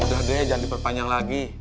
udah deh jangan dipertanyang lagi